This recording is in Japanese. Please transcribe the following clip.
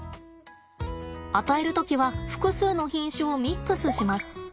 与える時は複数の品種をミックスします。